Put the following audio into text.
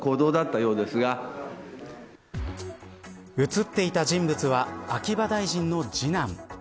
写っていた人物は秋葉大臣の次男。